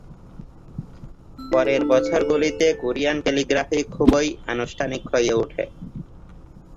পরের বছরগুলিতে Korean calligraphy খুবই আনুষ্ঠানিক হয়ে ওঠে।